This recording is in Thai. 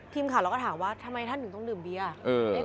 ทีมข่าวเราก็ถามว่าทำไมท่านถึงต้องดื่มเบียร์